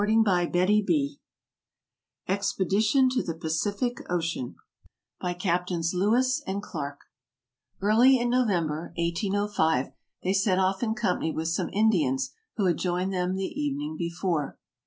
— II AMERICA Expedition to the Pacific Ocean By CAPTAINS LEWIS AND CLARKE EARLY in November, 1805, they set off in company with some Indians who had joined them the evening be fore.